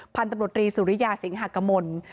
พันธุ์ตำรวจรีสุริยาสิงหากมล